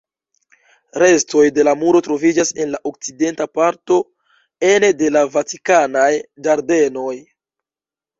Restoj de la muro troviĝas en la okcidenta parto ene de la vatikanaj ĝardenoj.